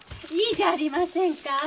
いいじゃありませんか。